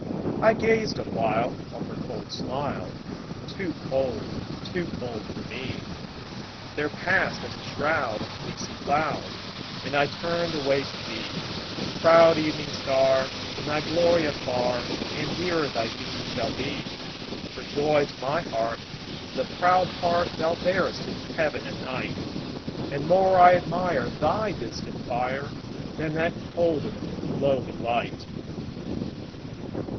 I gazed awhile On her cold smile; Too cold—too cold for me— There passed, as a shroud, A fleecy cloud, And I turned away to thee, Proud Evening Star, In thy glory afar And dearer thy beam shall be; For joy to my heart Is the proud part Thou bearest in Heaven at night, And more I admire Thy distant fire, Than that colder, lowly light.